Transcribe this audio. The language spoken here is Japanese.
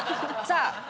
さあ